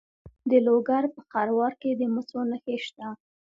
د لوګر په خروار کې د مسو نښې شته.